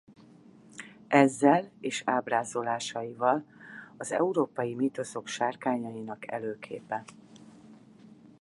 Ezzel és ábrázolásaival az európai mítoszok sárkányainak előképe.